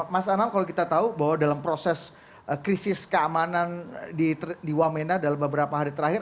mas anam kalau kita tahu bahwa dalam proses krisis keamanan di wamena dalam beberapa hari terakhir